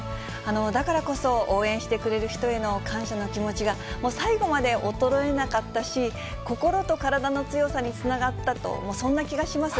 だからこそ、応援してくれる人への感謝の気持ちがもう最後まで衰えなかったし、心と体の強さにつながったと、そんな気がします。